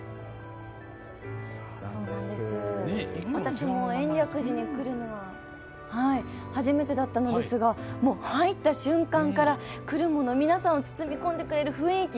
私も延暦寺に来るのは初めてだったのですが入った瞬間から来るもの、皆さんを包み込んでくれる雰囲気。